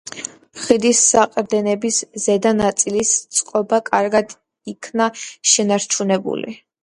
ხიდის საყრდენების ზედა ნაწილების წყობა კარგად იქნა შენარჩუნებული.